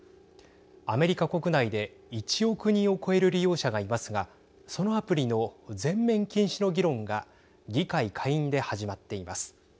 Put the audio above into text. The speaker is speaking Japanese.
アメリカ国内で１億人を超える利用者がいますがそのアプリの全面禁止の議論が議会下院で始まっています。